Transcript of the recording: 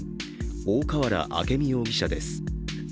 大河原明美容疑者です。